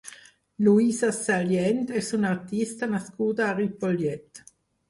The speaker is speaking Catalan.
Lluïsa Sallent és una artista nascuda a Ripollet.